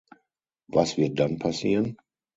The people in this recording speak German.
Was wird dann passieren?